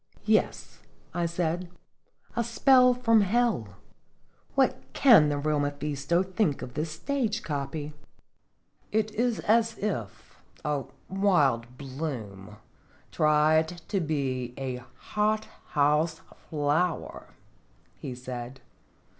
"Yes," I said, " a spell from hell. What can the real Mephisto think of this stage copy?" " It is as if a wild bloom tried to be a hot house flower," he said.